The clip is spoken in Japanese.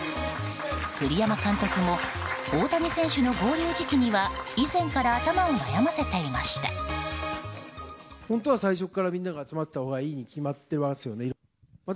栗山監督も大谷選手の合流時期には以前から頭を悩ませていました。